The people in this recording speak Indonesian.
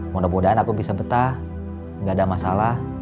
mudah mudahan aku bisa betah nggak ada masalah